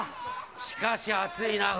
しかし暑いな。